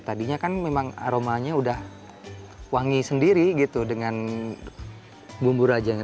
tadinya kan memang aromanya udah wangi sendiri gitu dengan bumbu rajanya